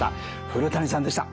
古谷さんでした。